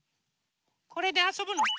これであそぶの？